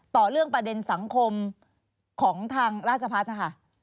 ต่อเรื่องประเด็นสังคมของทางราชพัฒน์นะคะ